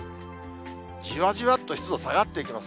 じわじわっと湿度下がっていきます。